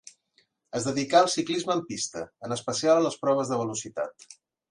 Es dedicà al ciclisme en pista, en especial a les proves de velocitat.